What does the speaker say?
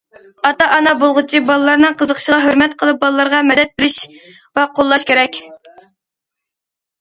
ئاتا- ئانا بولغۇچى بالىلارنىڭ قىزىقىشىغا ھۆرمەت قىلىپ، بالىلارغا مەدەت بېرىش ۋە قوللاش كېرەك.